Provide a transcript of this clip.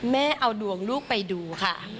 แม่เอาดวงลูกไปดูค่ะ